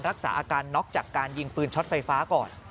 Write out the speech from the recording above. รักษาอาการน็อกจากการยิงปืนช็อตไฟฟ้าก่อน